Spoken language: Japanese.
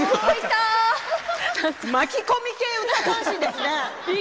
巻き込み系唄三線ですね。